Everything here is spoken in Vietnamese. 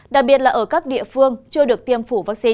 đặc biệt là ở các địa phương chưa được tiêm phủ vaccine